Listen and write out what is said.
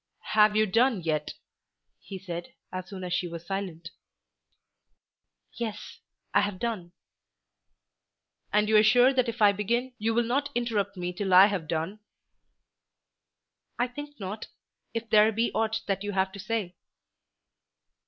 "Have you done yet?" he said as soon as she was silent. "Yes, I have done." "And you are sure that if I begin you will not interrupt me till I have done?" "I think not, if there be ought that you have to say."